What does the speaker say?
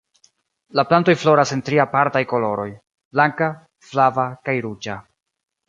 La plantoj floras en tri apartaj koloroj: blanka, flava kaj ruĝa.